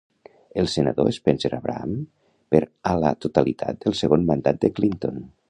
El senador, Spencer Abraham, per a la totalitat del segon mandat de Clinton.